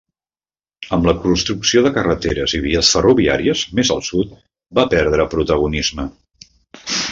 Amb la construcció de carreteres i vies ferroviàries més al sud va perdre protagonisme.